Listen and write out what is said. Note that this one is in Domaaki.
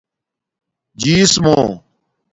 جیس مُو